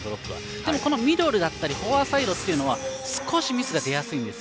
でも、ミドルだったりフォアサイドは少しミスが出やすいんです。